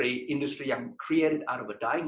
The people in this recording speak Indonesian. itu industri yang dibuat dari industri kering